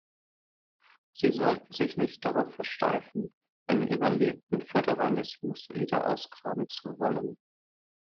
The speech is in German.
Sie sollten sich nicht darauf versteifen, einen überlebten Föderalismus wieder ausgraben zu wollen.